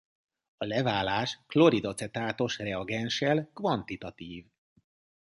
A leválás klorid-acetátos reagenssel kvantitatív.